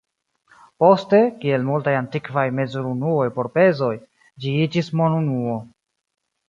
Poste, kiel multaj antikvaj mezurunuoj por pezoj, ĝi iĝis monunuo.